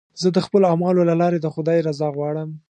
زه د خپلو اعمالو له لارې د خدای رضا غواړم.